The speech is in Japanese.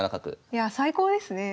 いやあ最高ですね。